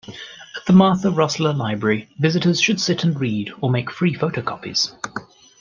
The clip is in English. At the "Martha Rosler Library," visitors could sit and read or make free photocopies.